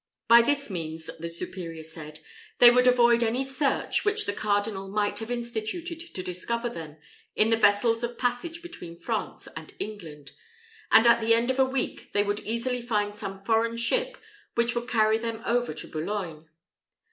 By this means, the superior said, they would avoid any search which the cardinal might have instituted to discover them in the vessels of passage between France and England, and at the end of a week they would easily find some foreign ship which would carry them over to Boulogne.